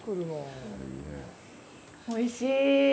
おいしい。